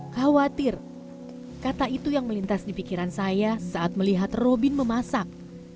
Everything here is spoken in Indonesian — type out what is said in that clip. khawatir kata itu yang melintas di pikiran saya saat melihat robin memasak